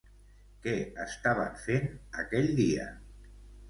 Què estaven fent aquell dia?